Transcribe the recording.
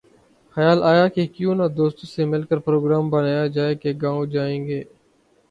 خیال آیا کہ کیوں نہ دوستوں سے مل کر پروگرام بنایا جائے کہ گاؤں جائیں گے